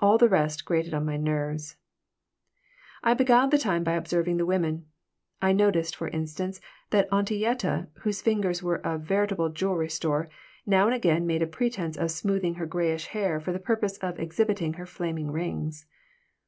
All the rest grated on my nerves I beguiled the time by observing the women. I noticed, for instance, that Auntie Yetta, whose fingers were a veritable jewelry store, now and again made a pretense of smoothing her grayish hair for the purpose of exhibiting her flaming rings.